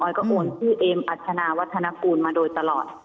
ก็โอนชื่อเอมอัชนาวัฒนกูลมาโดยตลอด